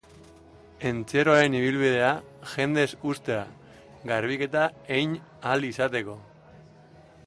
Entzierroaren ibilbidea jendez hustea, garbiketa egin ahal izateko.